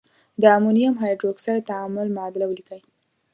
د امونیم هایدرواکساید تعامل معادله ولیکئ.